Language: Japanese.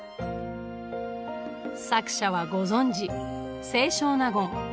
作者はご存じ清少納言。